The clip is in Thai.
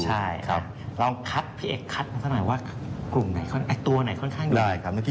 เราคัดพี่เอกกัดนึงต่อไหนว่ากลุ่มไหนตัวไหนค่อนข้างดี